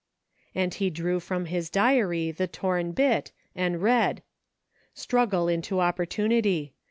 And he drew from his diary the torn bit, and read: — "Struggle into opportunity.